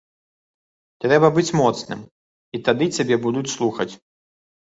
Трэба быць моцным, і тады цябе будуць слухаць.